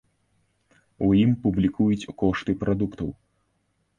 У ім публікуюць кошты прадуктаў.